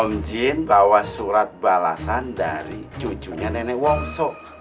om jin bawa surat balasan dari cucunya nenek wongso